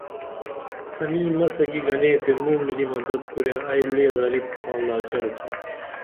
تنی مسہ کی گنے تے موملی مدد کُرے ائی لئے غریب آں لاچار تُھم